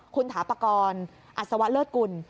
คุณถาปากรอัศวะเลิศกุล